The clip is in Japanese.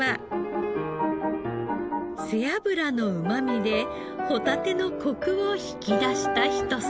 背脂のうまみでホタテのコクを引き出した一皿。